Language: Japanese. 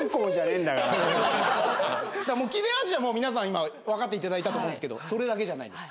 切れ味は皆さん今分かったと思うんですけどそれだけじゃないんです。